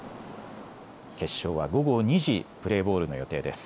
決勝は午後２時、プレーボールの予定です。